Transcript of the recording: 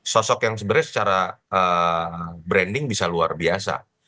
sosok yang sebenarnya secara branding bisa luar biasa